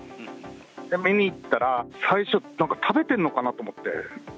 で、見に行ったら、最初、食べてるのかなと思って。